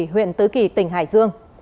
huyện tứ kỳ tỉnh hải dương